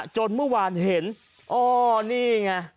จนเมื่อวานเห็นอ้อนี่ไง